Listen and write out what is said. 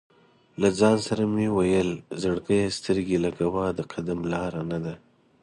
له ځان سره مې ویل: "زړګیه سترګې لګوه، د قدم لاره نه ده".